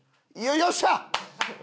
よっしゃー！